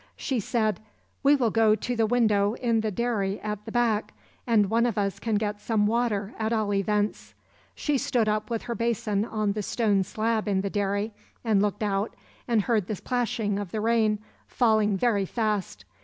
She said 'we will go to the window in the dairy at the back, and one of us can get some water at all events.' She stood up with her basin on the stone slab in the dairy and looked out and heard the plashing of the rain, falling very fast.